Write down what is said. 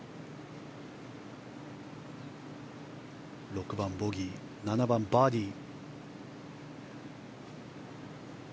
６番、ボギー７番、バーディー。